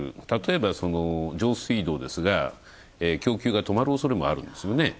例えば、上水道ですが供給が止まるおそれもあるんですよね。